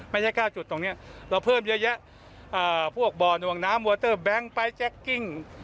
ไม่ใช่๙จุดตรงนี้เราเพิ่มเยอะแยะพวกบ่อนวงน้ำมอเตอร์แบงค์ไปแจ็คกิ้ง